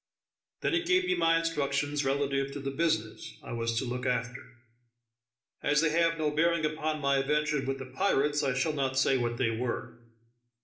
Then he gave me my instructions relative to the business I was to look after: as they have no bearing upon my adventure with the pirates, I shall not say what they were.